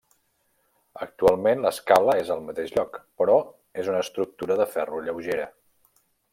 Actualment l'escala és al mateix lloc però és una estructura de ferro lleugera.